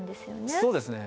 そうですね。